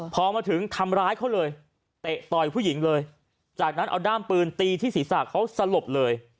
พอมาถึงทำร้ายเขาเลยเตะต่อยผู้หญิงเลยจากนั้นเอาด้ามปืนตีที่ศีรษะเขาสลบเลย